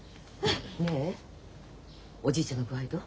ねえおじいちゃんの具合どう？